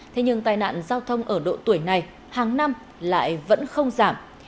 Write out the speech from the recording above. thế nhưng tai nạn giao thông ở độ tuổi này hàng năm lại vẫn không giảm